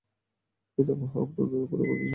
পিতামহ আফরীদূনের পর যুবরাজ মনুচেহের সম্রাট হন।